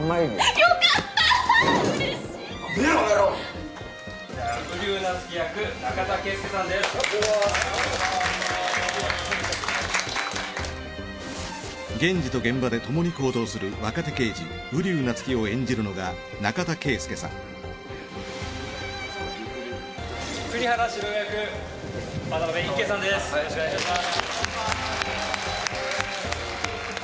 よろしくお願いします。